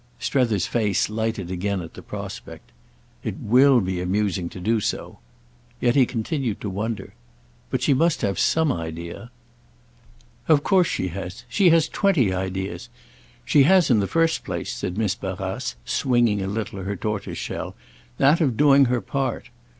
_" Strether's face lighted again at the prospect. "It will be amusing to do so." Yet he continued to wonder. "But she must have some idea." "Of course she has—she has twenty ideas. She has in the first place," said Miss Barrace, swinging a little her tortoise shell, "that of doing her part.